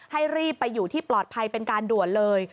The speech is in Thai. รีบไปอยู่ที่ปลอดภัยเป็นการด่วนเลย